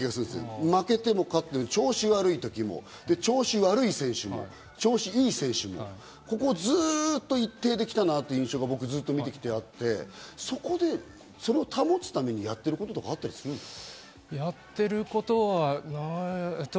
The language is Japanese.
負けても勝っても調子悪い時も調子悪い選手も調子いい選手も、ここをずっと一定で来たなという印象が僕はずっと見てきて思っていて、それを保つためにやっていることはあったりするんですか？